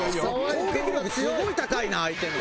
攻撃力すごい高いな相手の。